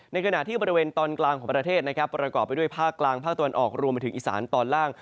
ในขณะที่บริเวณตอนกลางของประเทศนะครับประกอบไปด้วยภาคกลางภาคตะวันออกรวมไปถึงอีสานตอนล่าง